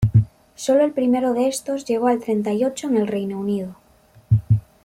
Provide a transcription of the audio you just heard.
Sólo el primero de estos, llegó al treinta y ocho en el Reino Unido.